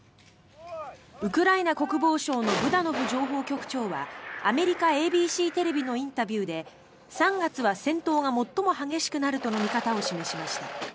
ウクライナ国防省のブダノフ情報局長はアメリカ・ＡＢＣテレビのインタビューで３月は戦闘が最も激しくなるとの見方を示しました。